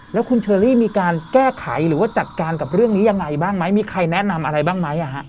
แล้วคุณเชอรี่มีการแก้ไขหรือว่าจัดการกับเรื่องนี้ยังไงบ้างไหมมีใครแนะนำอะไรบ้างไหม